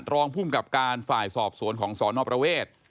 รองภูมิกับการฝ่ายสอบสวนของสนประเวท